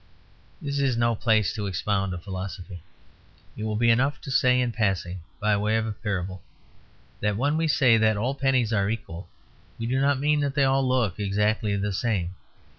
This is no place to expound a philosophy; it will be enough to say in passing, by way of a parable, that when we say that all pennies are equal, we do not mean that they all look exactly the same.